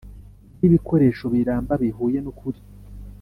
ry ibikoresho biramba bihuye n ukuri